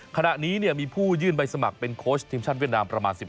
ขณะนี้มีผู้ยื่นใบสมัครเป็นโค้ชทีมชาติเวียดนามประมาณ๑๕